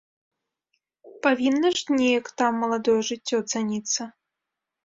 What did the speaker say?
Павінна ж неяк там маладое жыццё цаніцца?